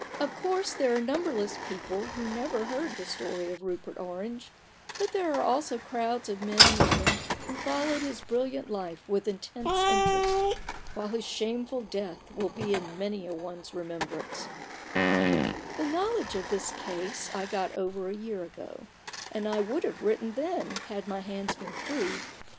Of THE BARGAIN OF RUPERT ORANGE. 5 course, there are numberless people who never heard the story of Rupert Orange ; but there are also crowds of men and women who followed his brilliant life with intense interest, while his shameful death will be in many a one's remembrance* The knowledge of this case I got over a year ago ; and I would have written then, had my hands been free.